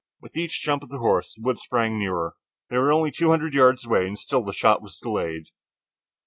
With each jump of the horse, the woods sprang nearer. They were only two hundred yards away and still the shot was delayed.